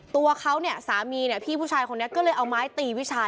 ตัวเขาเนี่ยสามีเนี่ยพี่ผู้ชายคนนี้ก็เลยเอาไม้ตีวิชา